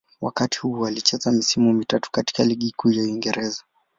Wakati huu alicheza misimu mitatu katika Ligi Kuu ya Uingereza.